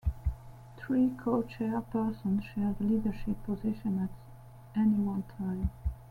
Three co-chairpersons share the leadership position at any one time.